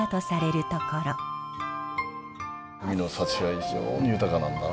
海の幸が非常に豊かなんだな。